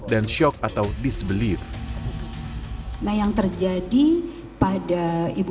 dan shock atau disbelief